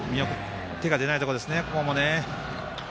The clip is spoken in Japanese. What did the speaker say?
手が出ないところですね、ここも。